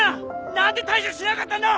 何で対処しなかったんだ！